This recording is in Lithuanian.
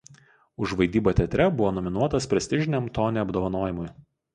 Už vaidybą teatre buvo nominuotas prestižiniam „Tony“ apdovanojimui.